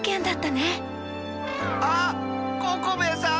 あっココベエさん！